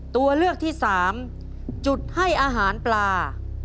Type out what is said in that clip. ตัวเลือกที่สามจุดให้อาหารปลา